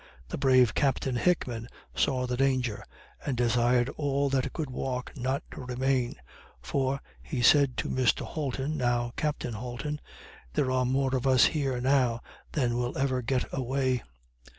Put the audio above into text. The brave Captain Hickman saw the danger, and desired all that could walk not to remain; for, said he to Mr. Holton, (now Captain Holton,) "there are more of us here now than will ever get away."